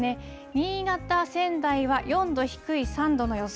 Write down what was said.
新潟、仙台は４度低い３度の予想。